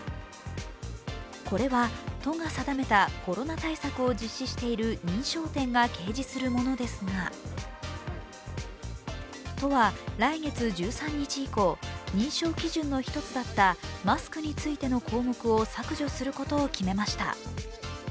これは都が定めたコロナ対策を実施している認証店が掲示するものですが、都は来月１３日以降、認証基準の１つだったマスクについての項目を削除することを決めました。